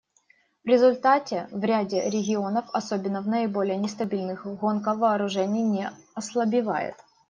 В результате в ряде регионов, особенно в наиболее нестабильных, гонка вооружений не ослабевает.